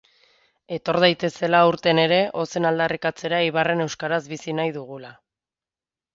Etor daitezela aurten ere, ozen aldarrikatzera Eibarren euskaraz bizi nahi dugula.